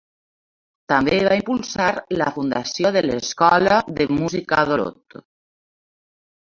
També va impulsar la fundació de l'Escola de Música d'Olot.